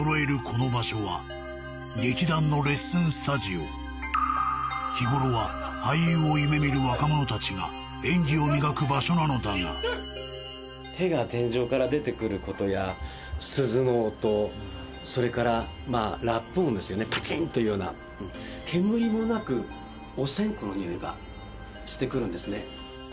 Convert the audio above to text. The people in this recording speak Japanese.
この場所は日頃はなのだが手が天井から出てくることや鈴の音それからまあラップ音ですよねパチンというような煙もなくお線香のにおいがしてくるんですね